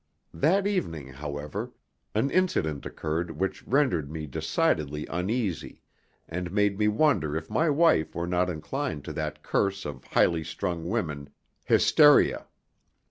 That evening, however, an incident occurred which rendered me decidedly uneasy, and made me wonder if my wife were not inclined to that curse of highly strung women hysteria!